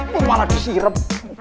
wuh malah disirem